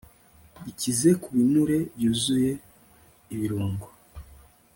bikize ku binure byuzuye ibirungo